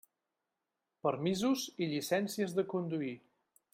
Permisos i llicencies de conduir.